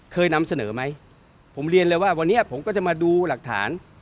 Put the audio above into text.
เคยนำเสนอไหมผมเรียนเลยว่าวันนี้ผมก็จะมาดูหลักฐาน